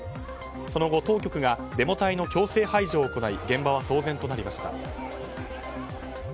その後、当局がデモ隊の強制排除を行い現場は騒然となりました。